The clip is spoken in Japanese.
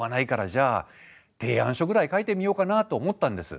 じゃあ提案書ぐらい書いてみようかなと思ったんです。